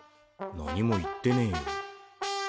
何も言ってねぇよ。